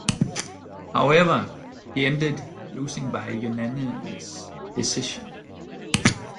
However, he ended losing by unanimous decision.